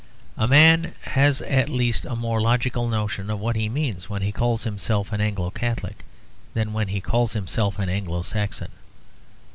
A man has at least a more logical notion of what he means when he calls himself an Anglo Catholic than when he calls himself an Anglo Saxon.